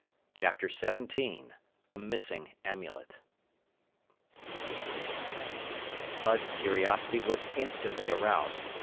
CHAPTER XVII A MISSING AMULET Bud's curiosity was instantly aroused.